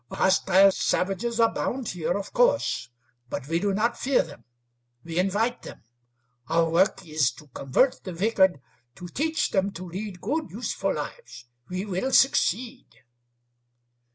"Hostile savages abound here, of course; but we do not fear them. We invite them. Our work is to convert the wicked, to teach them to lead good, useful lives. We will succeed."